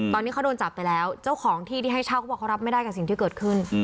ตอนนี้เขาโดนจับไปแล้วเจ้าของที่ที่ให้เช่าเขาบอกเขารับไม่ได้กับสิ่งที่เกิดขึ้น